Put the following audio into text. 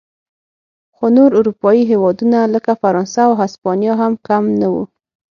خو نور اروپايي هېوادونه لکه فرانسه او هسپانیا هم کم نه و.